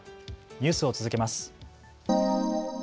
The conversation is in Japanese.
ニュースを続けます。